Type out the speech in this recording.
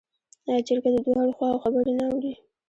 آیا جرګه د دواړو خواوو خبرې نه اوري؟